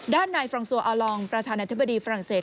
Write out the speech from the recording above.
ด้านในฟรองซัวอาลองประธานาธิบดีฝรั่งเศส